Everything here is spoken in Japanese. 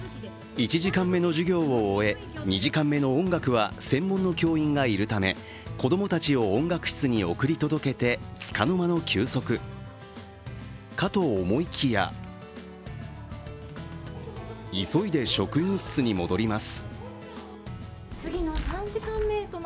１時間目の授業を終え、２時間目の音楽は専門の教員がいるため子供たちを音楽室に送り届けてつかの間の休息かと思いきや急いで職員室に戻ります。